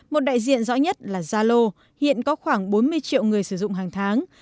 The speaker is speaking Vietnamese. một đại diện rõ nhất là zalo hiện có khoảng bốn mươi triệu người sử dụng hàng tháng